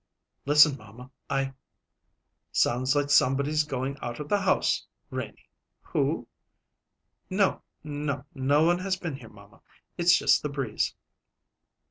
"Listen, mamma. I " "Sounds like somebody's going out of the house, Renie. Who " "No, no. No one has been here, mamma. It's just the breeze."